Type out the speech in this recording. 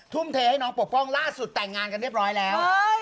ทุ่มเทให้น้องปกป้องล่าสุดแต่งงานกันเรียบร้อยแล้ว